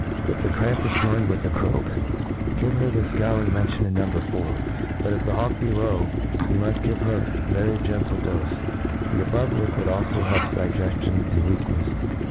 If the cramp is joined with the croak, give her the fcouring mentioned in No. 4. But, if the hawk be low, you muft give her a very gentle dofe* The above liquid alfo helps digeftion and wcak nefs.